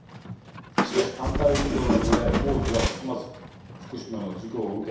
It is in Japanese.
しかし、反対運動などで工事は進まず福島の事故を受け